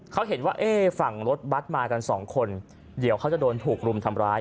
เขาเห็นว่าเอ๊ะฝั่งรถบัตรมากันสองคนเดี๋ยวเขาจะโดนถูกรุมทำร้าย